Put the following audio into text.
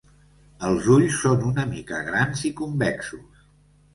Els ulls són una mica grans i convexos.